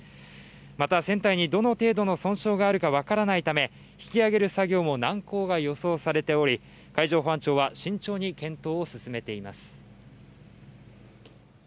また船体にどの程度の損傷があるか分からないため引き揚げる作業も難航が予想されており海上保安庁は慎重に検討を進めています。